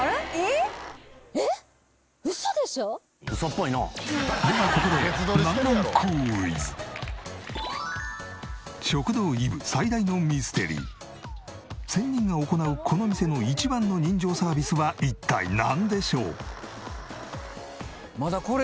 「ウソっぽいのう」ではここで食堂いぶ最大のミステリー仙人が行うこの店の一番の人情サービスは一体なんでしょう？